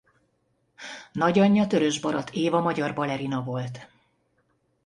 Nagyanyja Törös-Barat Éva magyar balerina volt.